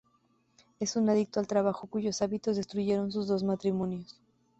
Es un adicto al trabajo cuyos hábitos destruyeron sus dos matrimonios.